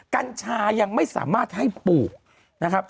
กัญชายังไม่สามารถให้ปลูกนะครับ